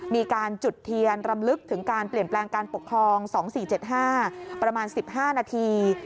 มีการจุดเทียนรำลึกถึงการเปลี่ยนแปลงการปกครองสองสี่เจ็ดห้าประมาณสิบห้านาที